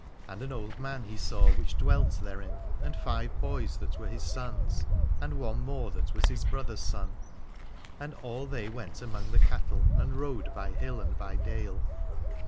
And an old man he saw which dwelt therein, and five boys that were his sons, and one more that was his brother's son : and all they went among the cattle, and rode by hill and by dale.